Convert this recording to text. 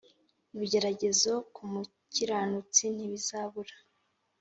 Ibigeragezo kumukiranutsi ntibizabura